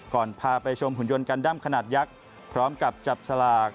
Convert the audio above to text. พาไปชมหุ่นยนต์กันด้ำขนาดยักษ์พร้อมกับจับสลาก